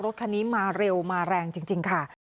รถคันนี้มาเร็วมาแรงจริงค่ะ